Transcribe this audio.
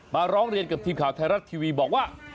ร้องเรียนกับทีมข่าวไทยรัฐทีวีบอกว่า